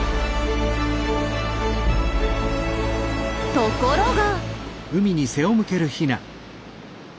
ところが。